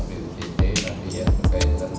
bgc nanti yang berkaitan